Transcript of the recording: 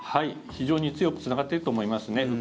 非常に強くつながっていると思いますね。